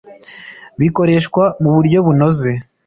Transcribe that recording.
Bikoreshwa mu buryo bunoze